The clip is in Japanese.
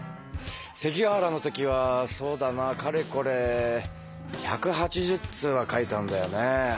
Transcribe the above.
関ヶ原の時はそうだなかれこれ１８０通は書いたんだよね。